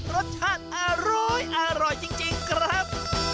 รสชาติอร้อยจริงครับ